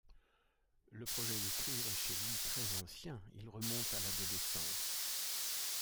Le projet d'écrire est chez lui très ancien, il remonte à l'adolescence.